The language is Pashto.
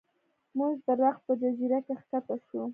موږ د رخ په جزیره کې ښکته شو.